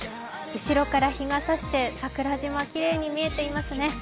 後ろから日が差して桜島きれいに見えていますね。